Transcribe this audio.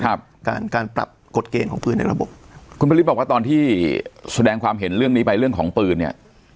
ครับการการปรับกฎเกณฑ์ของปืนในระบบคุณพระฤทธิบอกว่าตอนที่แสดงความเห็นเรื่องนี้ไปเรื่องของปืนเนี่ย